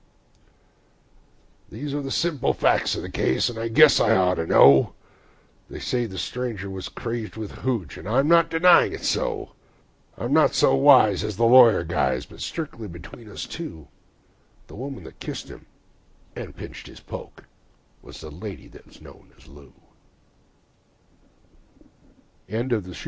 These are the simple facts of the case, and I guess I ought to know. They say that the stranger was crazed with "hooch", and I'm not denying it's so. I'm not so wise as the lawyer guys, but strictly between us two The woman that kissed him and pinched his poke was the lady that's known as Lou.